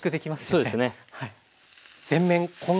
はいそうですね。